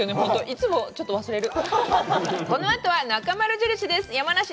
いつもちょっと忘れる。